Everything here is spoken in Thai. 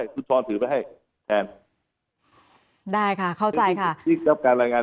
ได้ค่ะเข้าใจค่ะ